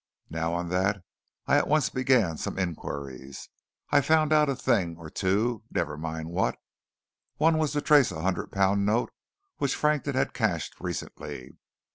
Now on that, I at once began some inquiries. I found out a thing or two never mind what one was to trace a hundred pound note which Frankton had cashed recently.